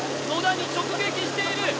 野田に直撃している。